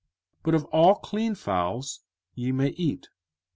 05:014:020 But of all clean fowls ye may eat.